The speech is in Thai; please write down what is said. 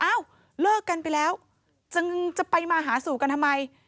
เลิกกันไปแล้วจะไปมาหาสู่กันทำไม